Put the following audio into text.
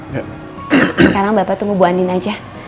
sekarang bapak tunggu bu andin aja